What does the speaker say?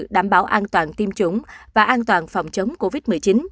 đảm bảo an toàn tiêm chủng và an toàn phòng chống covid một mươi chín